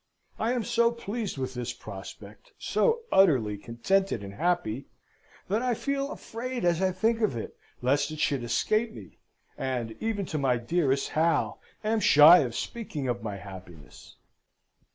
I am so pleased with this prospect, so utterly contented and happy, that I feel afraid as I think of it, lest it should escape me; and, even to my dearest Hal, am shy of speaking of my happiness.